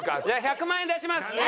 じゃあ１００万円出します。